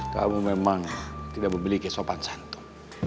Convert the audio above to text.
kamu memang tidak memiliki kesopan santun